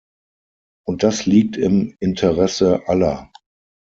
Und das liegt im Interesse aller.